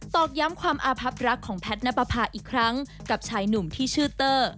อกย้ำความอาพับรักของแพทย์นับประพาอีกครั้งกับชายหนุ่มที่ชื่อเตอร์